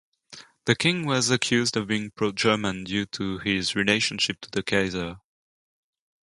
The King was accused of being pro-German due to his relationship to the Kaiser.